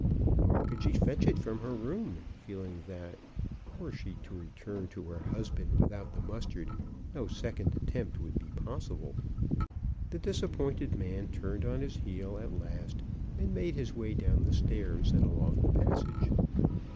Nor could she fetch it from her room, feeling that, were she to return to her husband without the mustard, no second attempt would be possible. The disappointed man turned on his heel at last, and made his way down the stairs and along the passage.